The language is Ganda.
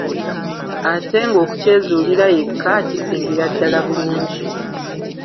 Ate ng'okukyezuulira yekka kisingira ddala bulungi.